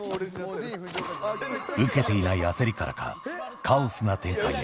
ウケていない焦りからか、カオスな展開へ。